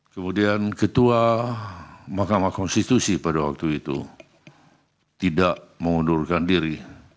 kemudian ketua mahkamah konstitusi pada waktu itu tidak mengundurkan diri